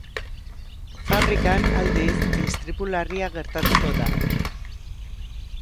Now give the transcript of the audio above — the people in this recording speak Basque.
Fabrikan, aldiz, istripu larria gertatuko da.